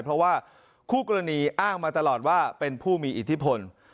เพราะว่าคู่กรณีอ้างมาตลอดว่าเป็นผู้มีอิทธิพล